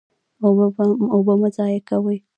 اوبه مه ضایع کوئ